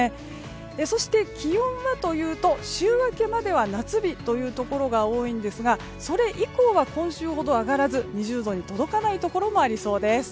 そして、気温はというと週明けまでは夏日というところが多いんですがそれ以降は今週ほど上がらず２０度に届かないところもありそうです。